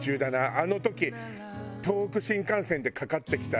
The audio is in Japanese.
あの時東北新幹線でかかってきた。